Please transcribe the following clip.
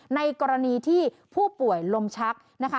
ในกรณีที่ผู้ป่วยลมชักนะคะ